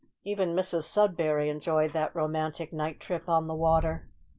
Even Mrs Sudberry enjoyed that romantic night trip on the water.